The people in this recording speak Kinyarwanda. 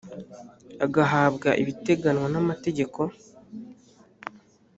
agahabwa ibiteganywa n amategeko